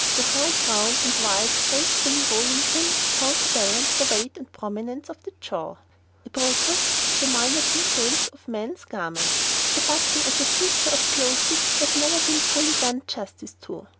The high crown and wide, gracefully rolling brim counter balance the weight and prominence of the jaw. [Illustration: NO. 78] Apropos of the minor details of man's garments, the button as a feature of clothes has never been fully done justice to.